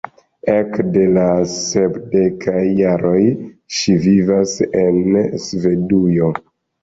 Ekde la sepdekaj jaroj ŝi vivas en Svedujo.